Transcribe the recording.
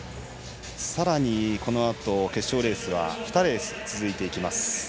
さらに、このあと決勝レースは２レース続いていきます。